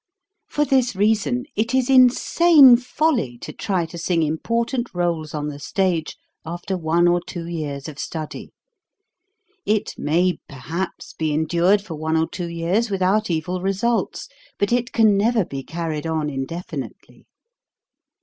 For this reason it is insane folly to try to sing important roles on the stage after one or two years of study; it may perhaps be endured for one or two years without POSITION WHILE PRACTISING 269 evil results, but it can never be carried on indefinitely.